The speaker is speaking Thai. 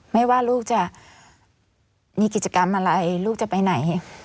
ไม่ว่าลูกจะมีกิจกรรมอะไรลูกจะไปไหน